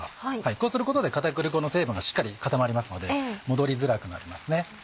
こうすることで片栗粉の成分がしっかり固まりますので戻りづらくなります。